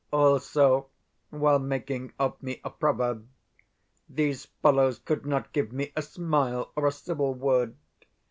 Also, while making of me a proverb, these fellows could not give me a smile or a civil word.